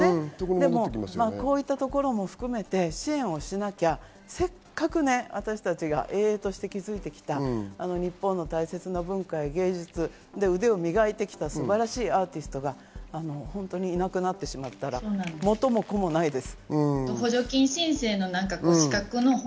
でもこういったところも含めて支援をしなければ、せっかく私たちが気づいてきた日本の大切な文化や芸術、腕を磨いてきた素晴らしいアーティストが本当にいなくなってしまったら元も子もないです。